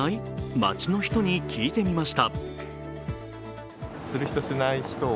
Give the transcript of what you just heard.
街の人に聞いてみました。